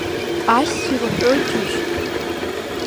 Ассир уҳәоит џьушьҭ!